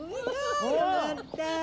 よかった。